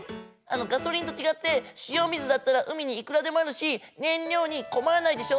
ガソリンとちがって塩水だったら海にいくらでもあるしねんりょうにこまらないでしょ？